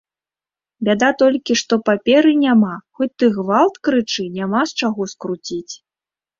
Бяда толькі, што паперы няма, хоць ты гвалт крычы, няма з чаго скруціць.